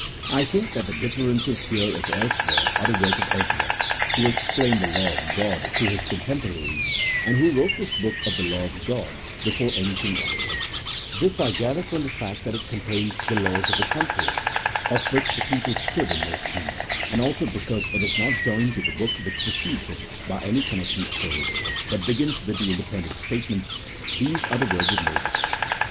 I think that the differences here as elsewhere are the work of Ezra, who explained the law of God to his contemporaries, and who wrote this book of the law of God, before anything else ; this I gather from the fact that it contains the laws of the country, of which the people stood in most need, and also because it is not joined to the book which precedes it by any connecting phrase, but begins with the independent statement, " these are the words of Moses."